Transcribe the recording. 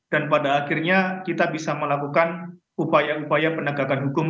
dan pada akhirnya kita bisa melakukan upaya upaya penegakan hukum